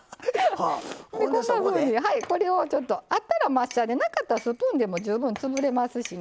こんなふうにこれをあったらマッシャーでなかったらスプーンでも十分潰れますしね